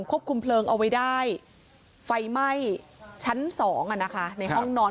ควบคุมเพลิงเอาไว้ได้ไฟไหม้ชั้น๒ในห้องนอน